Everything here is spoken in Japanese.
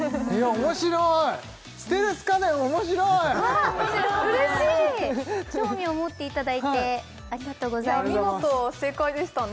面白いステルス家電面白いわぁうれしい興味を持っていただいてありがとうございます見事正解でしたね